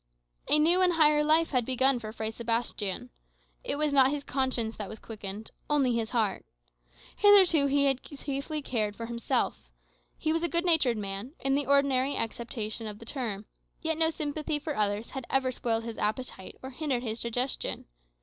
A new and higher life had begun for Fray Sebastian. It was not his conscience that was quickened, only his heart. Hitherto he had chiefly cared for himself. He was a good natured man, in the ordinary acceptation of the term; yet no sympathy for others had ever spoiled his appetite or hindered his digestion.